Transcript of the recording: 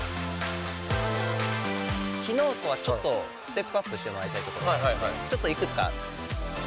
昨日とはちょっとステップアップしてもらいたいところもあってちょっといくつか。